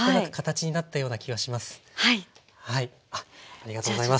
ありがとうございます。